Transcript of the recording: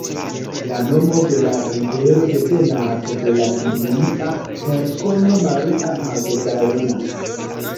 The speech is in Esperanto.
La nomo de la rivero devenas de la biblia persono Maria Magdalena.